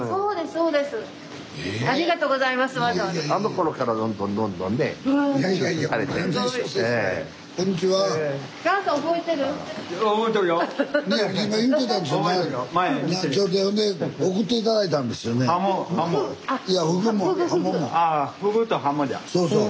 そうそう。